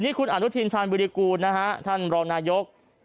ทีนี้คุณอนุทิชัยนวิริกูลท่านรองนายก